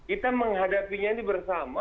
kita menghadapinya ini bersama